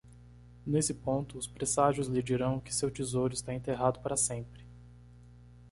Nesse ponto, os presságios lhe dirão que seu tesouro está enterrado para sempre.